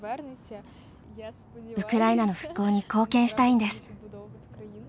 ウクライナの復興に貢献したいんです。